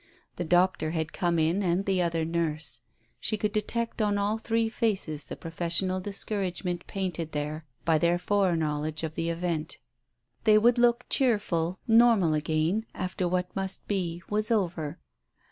The doctor had come in and the other nurse. She could detect on all three faces the professional discouragement painted there by their fore knowledge of the event. They would look cheerful, normal again, after what must be, was over.